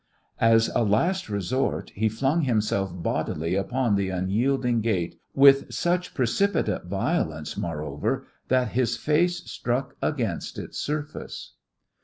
As a last resort he flung himself bodily upon the unyielding gate, with such precipitate violence, moreover, that his face struck against its surface.